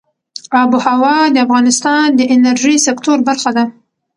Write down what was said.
آب وهوا د افغانستان د انرژۍ سکتور برخه ده.